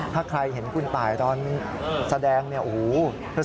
ถ้าใครเห็นคุณตายตอนแสดงสวยหน้าตากลมตรง